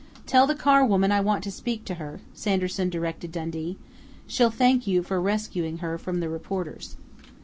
"Tell the Carr woman I want to speak to her," Sanderson directed Dundee. "She'll thank you for rescuing her from the reporters."